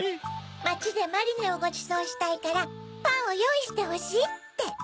まちでマリネをごちそうしたいからパンをよういしてほしいって。